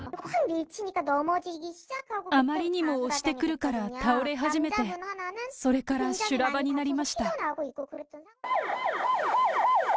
あまりにも押してくるから倒れ始めて、それから修羅場になりました。